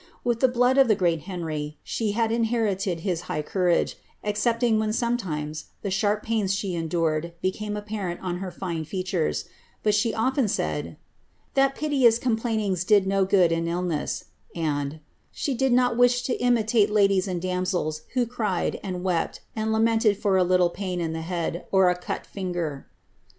With the blood of the great Henry she had inlierite<] his high courage, excepting when sometimes the sharp pains she endured became apparent on her fine features ; but she often said ^ that piteous complainings did no good in illness,' and ^ she did not wish to imitate ladies and damsels who crieil, and wept, and lamented for a little pain in the head, or a cut fin* ger.'